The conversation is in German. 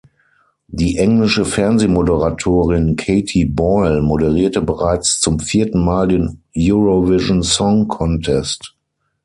Die englische Fernsehmoderatorin Katie Boyle moderierte bereits zum vierten Mal den Eurovision Song Contest.